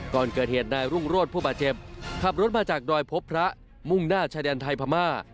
ก่อนเกิดเหตุนายรุ่งโรธผู้บาดเจ็บขับรถมาจากดอยพบพระมุ่งหน้าชายแดนไทยพม่า